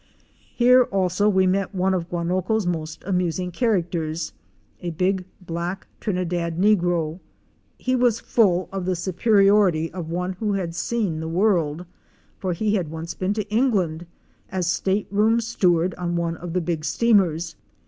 Here also we met one of Guanoco's most amusing characters, a big black Trinidad negro. He was full of the superiority of one who had seen the world; for he had once been to England as stateroom steward on one of the big steamers.